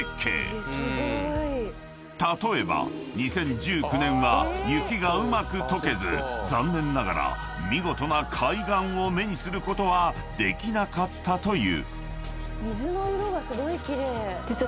［例えば２０１９年は雪がうまく解けず残念ながら見事な開眼を目にすることはできなかったという］